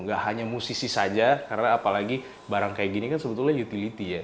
gak hanya musisi saja karena apalagi barang kayak gini kan sebetulnya utility ya